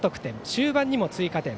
終盤にも追加点。